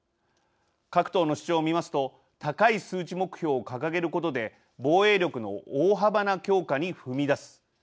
各党の主張を見ますと高い数値目標を掲げることで防衛力の大幅な強化に踏み出す。